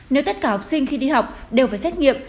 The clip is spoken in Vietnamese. nếu tất cả học sinh khi đi học đều phải xét nghiệm